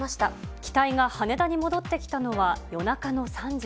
機体が羽田に戻ってきたのは夜中の３時。